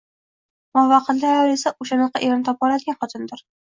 Muvaffaqiyatli ayol esa - o'shanaqa erni topa oladigan xotindir...